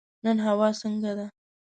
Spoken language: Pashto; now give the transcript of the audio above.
نن هوا څنګه ده؟